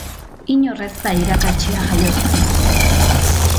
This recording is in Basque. Inor ez da irakatsia jaiotzen.